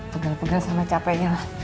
pegal pegal sama capeknya lah